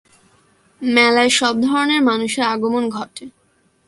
মেলায় সব ধরনের মানুষের আগমন ঘটে।